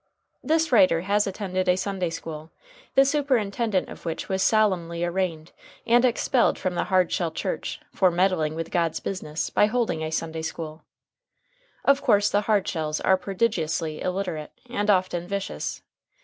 This writer has attended a Sunday school, the superintendent of which was solemnly arraigned and expelled from the Hardshell Church for "meddling with God's business" by holding a Sunday school. Of course the Hardshells are prodigiously illiterate, and often vicious.